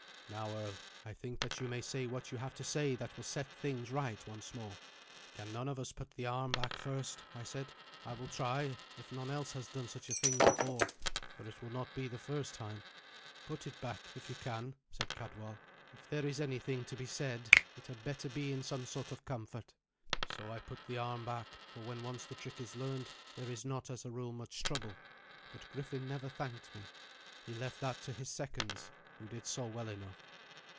"Now, earl, I think that you may say what you have to say that will set things right once more." "Can none of us put the arm back first?" I said. "I will try, if none else has done such a thing before, for it will not be the first time." "Put it back, if you can," said Cadwal. "If there is anything to be said, it had better be in some sort of comfort." So I put the arm back, for when once the trick is learned there is not, as a rule, much trouble. But Griffin never thanked me. He left that to his seconds, who did so well enough.